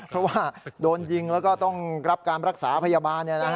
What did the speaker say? เพราะว่าโดนยิงแล้วก็ต้องรับการรักษาพยาบาล